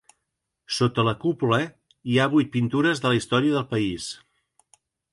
Sota la cúpula hi ha vuit pintures de la història del país.